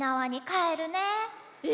え